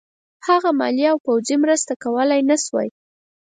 هغه مالي او پوځي مرسته کولای نه شوای.